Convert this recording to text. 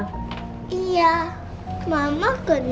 siapa tuh uhr cukup toi